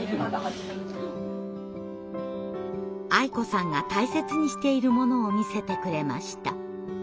あい子さんが大切にしているものを見せてくれました。